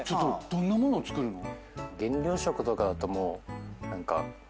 どんな物を作るの？